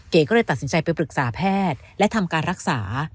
ก็เลยตัดสินใจไปปรึกษาแพทย์และทำการรักษา